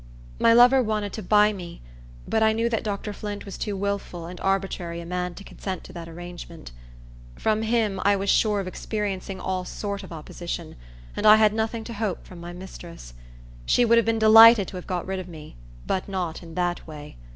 My lover wanted to buy me; but I knew that Dr. Flint was too willful and arbitrary a man to consent to that arrangement. From him, I was sure of experiencing all sort of opposition, and I had nothing to hope from my mistress. She would have been delighted to have got rid of me, but not in that way.